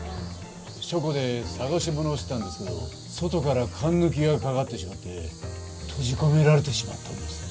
書庫で捜し物をしてたんですけど外からかんぬきがかかってしまって閉じ込められてしまったんです。